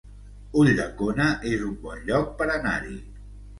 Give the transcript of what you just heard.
Ulldecona es un bon lloc per anar-hi